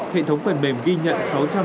hệ thống phần mềm ghi nhận